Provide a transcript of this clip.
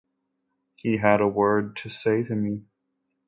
He had a word to say to me.